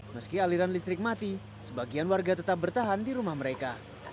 meski aliran listrik mati sebagian warga tetap bertahan di rumah mereka